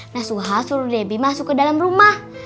nasuha suruh debbie masuk ke dalam rumah